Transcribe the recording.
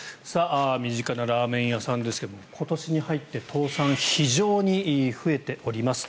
身近なラーメン屋さんですが今年に入って倒産非常に増えております。